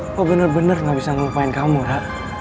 apa bener bener gak bisa ngelupain kamu ra